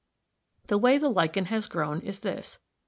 ] The way the lichen has grown is this.